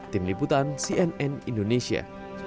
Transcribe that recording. tim liputan cnn indonesia